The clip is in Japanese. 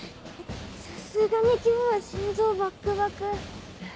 さすがに今日は心臓バックバク。